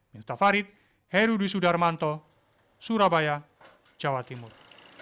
minstah farid herudwi sudarmanto surabaya jawa timur